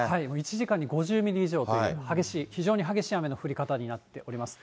１時間に５０ミリ以上という、激しい、非常に激しい雨の降り方になっております。